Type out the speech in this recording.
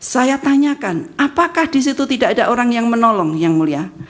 saya tanyakan apakah di situ tidak ada orang yang menolong yang mulia